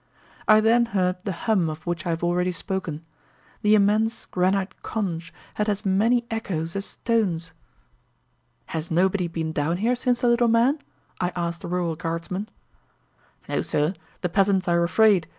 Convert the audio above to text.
I then heard the hum of which I have already spoken: the immense granite conch had as many echoes as stones! "Has nobody been down here since the little man?" I asked the rural guardsman. "No, sir. The peasants are afraid.